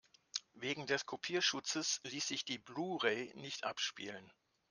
Wegen des Kopierschutzes ließ sich die Blu-ray nicht abspielen.